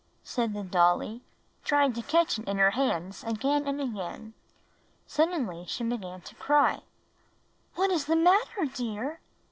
said the dolly, trying to catch it in her hands again and again. Suddenly she began to cry. "Wliy, what is the matter, dear?"